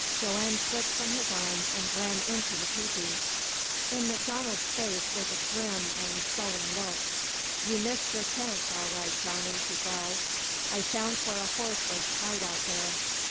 Joanne slipped from his arms and ran into the tepee. In MacDonald's face was a grim and sullen look. "You missed your chance, all right, Johnny," he growled. "I found where a horse was tied out there.